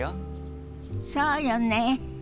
そうよね。